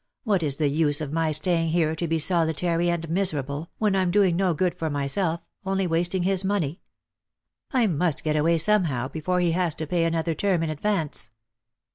What is the use of my staying here to be solitary and miserable, when I'm doing no good for myself, only wasting his money ? I must get away somehow before he has to pay another term in ad vance."